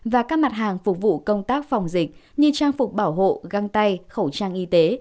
và các mặt hàng phục vụ công tác phòng dịch như trang phục bảo hộ găng tay khẩu trang y tế